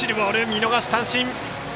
見逃し三振！